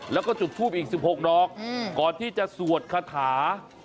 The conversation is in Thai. แล้วก็จุดทูปอีก๑๖ดอกก่อนที่จะสวดคาถา